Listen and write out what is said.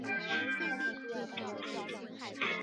后岳被国民政府追授中华民国陆军上将军衔。